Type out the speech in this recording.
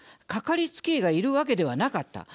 かかりつけ医がいるわけではなかった。